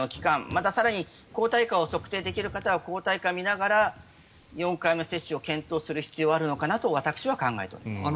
また、更に抗体価を測定できる方は抗体価を見ながら４回目接種を検討する必要があるのかなと私は考えております。